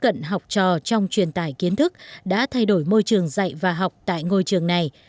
cận học trò trong truyền tải kiến thức đã thay đổi môi trường dạy và học tại ngôi trường này